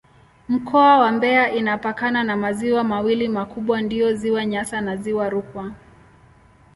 Mkoa wa Mbeya inapakana na maziwa mawili makubwa ndiyo Ziwa Nyasa na Ziwa Rukwa.